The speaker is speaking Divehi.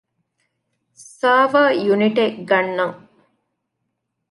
ސަރވަރ ޔުނިޓެއް ގަންނަން